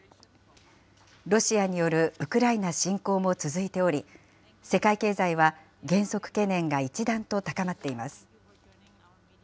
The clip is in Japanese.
ロシアによるウクライナ侵攻も続いており、世界経済は減速懸念が一段と高まっています。